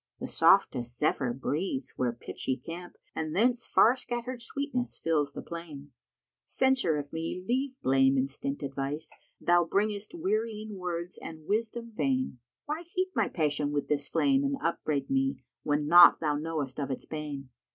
The softest Zephyr breathes where pitch ye camp * And thence far scattered sweetness fills the plain: Censor of me, leave blame and stint advice! * Thou bringest wearying words and wisdom vain: Why heat my passion with this flame and up * braid me when naught thou knowest of its bane?